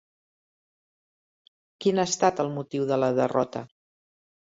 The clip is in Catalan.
Quin ha estat el motiu de la derrota?